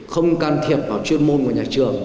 không can thiệp vào chuyên môn của nhà trường